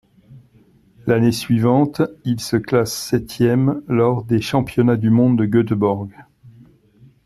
L'année suivante, il se classe septième lors des Championnats du monde de Göteborg.